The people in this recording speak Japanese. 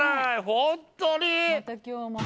本当に？